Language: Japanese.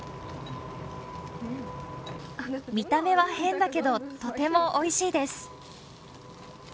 見た目は変だけど、とてもおいしいです。